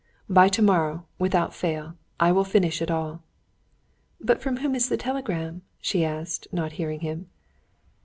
"By tomorrow, without fail, I will finish it all." "From whom is the telegram?" she asked, not hearing him.